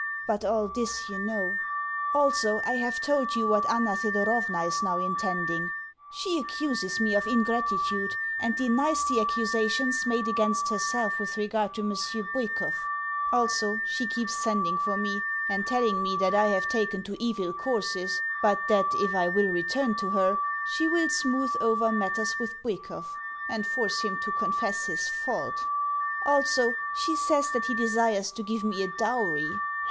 But all this you know. Also, I have told you what Anna Thedorovna is now intending. She accuses me of ingratitude, and denies the accusations made against herself with regard to Monsieur Bwikov. Also, she keeps sending for me, and telling me that I have taken to evil courses, but that if I will return to her, she will smooth over matters with Bwikov, and force him to confess his fault. Also, she says that he desires to give me a dowry.